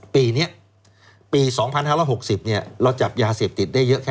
ปีนี้ปี๒๕๖๐เราจับยาเสพติดได้เยอะแค่